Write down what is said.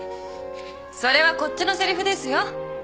それはこっちのせりふですよ